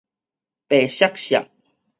白鑠鑠